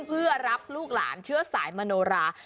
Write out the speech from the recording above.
เพื่อรับลูกหลานเชื้อสายมโนรา